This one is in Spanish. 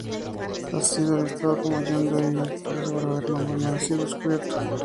Ha sido listado como "John Doe" pero su verdadero nombre no ha sido descubierto.